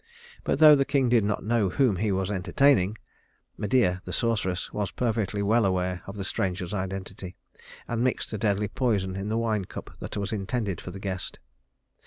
But though the king did not know whom he was entertaining, Medea, the sorceress, was perfectly well aware of the stranger's identity, and mixed a deadly poison in the wine cup that was intended for the guest.